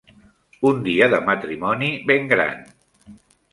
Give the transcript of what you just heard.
Un dia de matrimoni, ben gran.